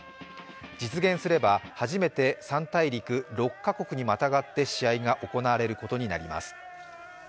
実現すれば、初めて３大陸６か国にまたがって試合が行われることになります。